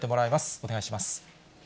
お願いします。